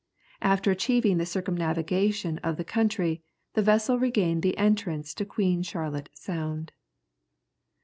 After achieving the circumnavigation of the country, the vessel regained the entrance to Queen Charlotte Sound.